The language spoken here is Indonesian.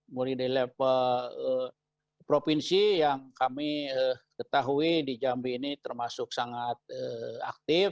muridilap provinsi yang kami ketahui di jambi ini termasuk sangat aktif